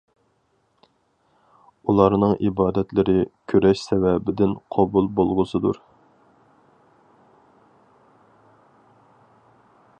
ئۇلارنىڭ ئىبادەتلىرى كۈرەش سەۋەبىدىن قوبۇل بولغۇسىدۇر.